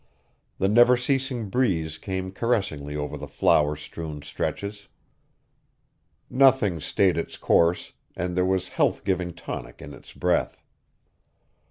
The never ceasing breeze came caressingly over the flower strewn stretches. Nothing stayed its course, and there was health giving tonic in its breath.